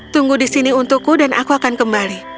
tunggu di sini untukku dan aku akan kembali